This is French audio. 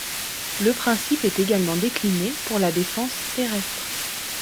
Le principe est également décliné pour la défense terrestre.